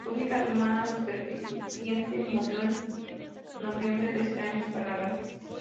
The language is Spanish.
Su única hermana superviviente murió en noviembre de ese año en Canadá.